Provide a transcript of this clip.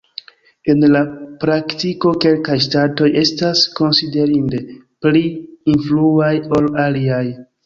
En la praktiko, kelkaj ŝtatoj estas konsiderinde pli influaj ol aliaj.